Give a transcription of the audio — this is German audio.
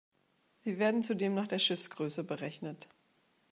Sie werden zudem nach der Schiffsgröße berechnet.